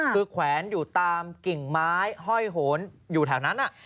คือแขวนอยู่ตามกิ่งไม้ห้อยโหนอยู่แถวนั้น